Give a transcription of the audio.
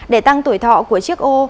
để tăng tuổi thọ của chiếc ô